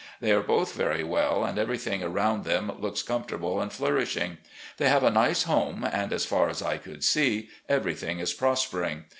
They are both very well, and everything around them looks com fortable and flourishing. They have a nice home, and, as far as I covdd see, everything is prospering.